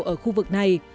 ở khu vực này